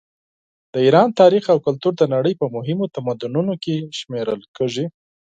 د ایران تاریخ او کلتور د نړۍ په مهمو تمدنونو کې شمېرل کیږي.